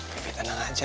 bibi tenang aja